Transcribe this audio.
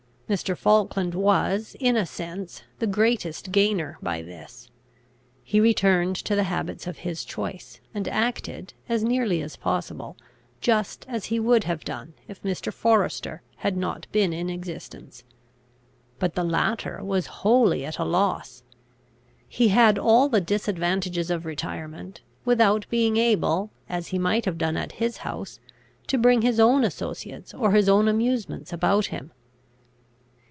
Mr. Falkland was, in a sense, the greatest gainer by this. He returned to the habits of his choice, and acted, as nearly as possible, just as he would have done if Mr. Forester had not been in existence. But the latter was wholly at a loss. He had all the disadvantages of retirement, without being able, as he might have done at his house, to bring his own associates or his own amusements about him.